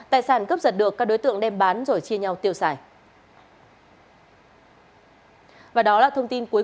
tài sản cướp giật được các đối tượng đem bán rồi chia nhau tiêu xài